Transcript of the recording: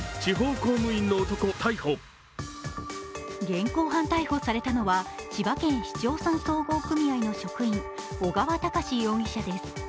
現行犯逮捕されたのは千葉県市町村総合組合の職員、小川隆史容疑者です。